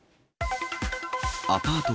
アパート